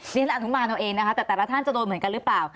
นี่ท่านอนุมานเราเองแต่แต่ละท่านจะโดนเหมือนกันหรือเปล่า